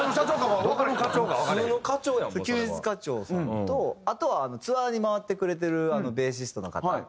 休日課長さんとあとはツアーに回ってくれてるベーシストの方。